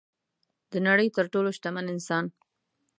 د نړۍ تر ټولو شتمن انسان